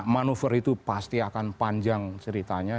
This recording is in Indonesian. manuver itu pasti akan panjang ceritanya